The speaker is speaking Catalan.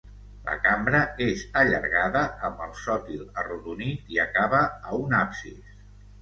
La cambra és allargada amb el sòtil arrodonit i acaba a un absis.